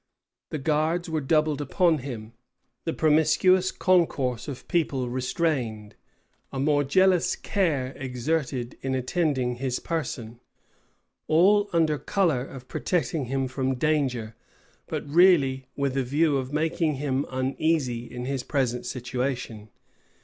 The guards were doubled upon him; the promiscuous concourse of people restrained; a more jealous care exerted in attending his person; all under color of protecting him from danger, but really with a view of making him uneasy in his present situation.